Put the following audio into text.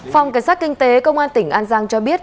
phòng cảnh sát kinh tế công an tỉnh an giang cho biết